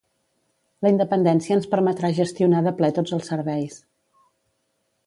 La independència ens permetrà gestionar de ple tots els serveis